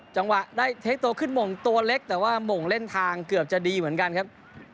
จังหวะได้เทคโตขึ้นหม่งตัวเล็กแต่ว่าหม่งเล่นทางเกือบจะดีเหมือนกันครับ